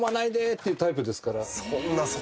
っていうタイプですから。